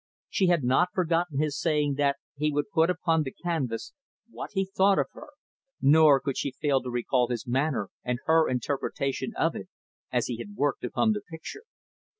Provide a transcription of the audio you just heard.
She had not forgotten his saying that he would put upon the canvas what he thought of her, nor could she fail to recall his manner and her interpretation of it as he had worked upon the picture.